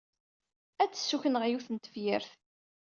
Ad d-ssukkneɣ yiwet n tefyirt.